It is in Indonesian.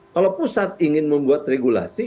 kalau pusat ingin membuat regulasi